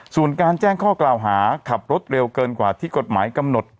ส่วนการแจ้งข้อกล่าวหาขับรถเร็วเกินกว่าที่กฎหมายกำหนด